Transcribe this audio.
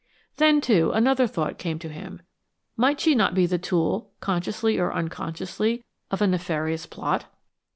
Then, too, another thought came to him. Might she not be the tool, consciously or unconsciously, of a nefarious plot?